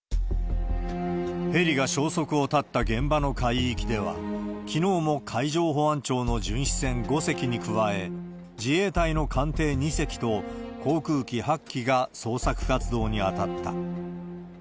ヘリが消息を絶った現場の海域では、きのうも海上保安庁の巡視船５隻に加え、自衛隊の艦艇２隻と、航空機８機が捜索活動に当たった。